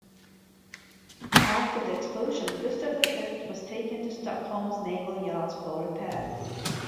After the explosion Gustav V was taken to Stockholm's naval yards for repair.